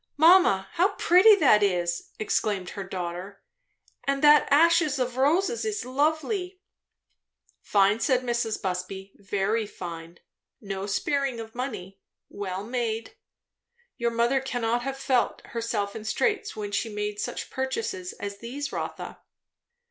"Mamma! how pretty that is!" exclaimed her daughter; "and that ashes of roses is lovely!" "Fine," said Mrs. Busby; "very fine. No sparing of money. Well made. Your mother cannot have felt herself in straits when she made such purchases as these, Rotha."